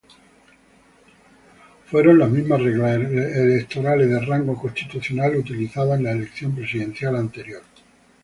Fueron las mismas reglas electorales de rango constitucional utilizadas en la elección presidencial anterior.